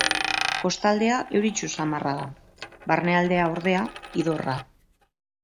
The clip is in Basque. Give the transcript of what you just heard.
Kostaldea euritsu xamarra da; barnealdea, ordea, idorra.